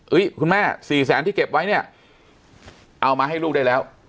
คุณแม่สี่แสนที่เก็บไว้เนี่ยเอามาให้ลูกได้แล้ว